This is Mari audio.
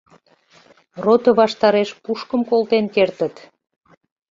- Рота ваштареш пушкым колтен кертыт.